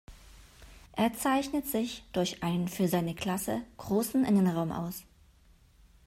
Er zeichnet sich durch einen für seine Klasse großen Innenraum aus.